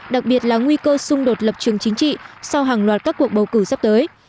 đặc biệt là nguy cơ xung đột lập trường chính trị sau hàng loạt các cuộc bầu cử sắp tới